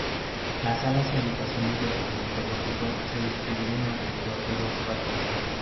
Las salas y habitaciones del convento gótico se distribuyen alrededor de dos patios.